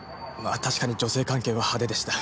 確かに女性関係は派手でした。